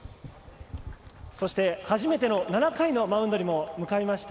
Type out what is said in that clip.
そして初めての７回のマウンドにも向かいました。